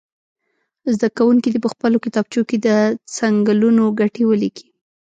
زده کوونکي دې په خپلو کتابچو کې د څنګلونو ګټې ولیکي.